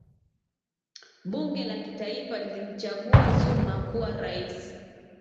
bunge la kitaifa lilimchagua zuma kuwa raisi